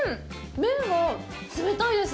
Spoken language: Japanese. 麺が冷たいです。